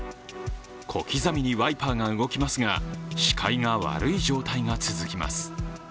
小刻みにワイパーが動きますが、視界が悪い状態が続きます。